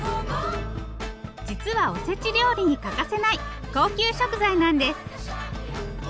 実はおせち料理に欠かせない高級食材なんです。